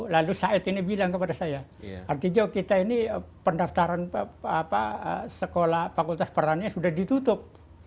lalu said ini bilang kepada saya artijo kita ini pendaftaran sekolah fakultas perannya sudah ditutup